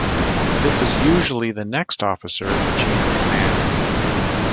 This is usually the next officer in the chain of command.